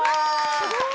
すごい！